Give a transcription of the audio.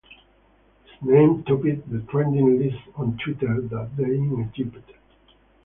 His name topped the trending list on Twitter that day in Egypt.